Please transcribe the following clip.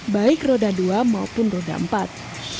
baik roda dua maupun roda empat